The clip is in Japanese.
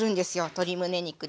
鶏むね肉に。